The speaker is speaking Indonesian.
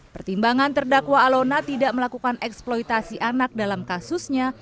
pertimbangan terdakwa alona tidak melakukan eksploitasi anak dalam kasusnya